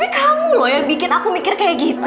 tapi kamu loh yang bikin aku mikir kayak gitu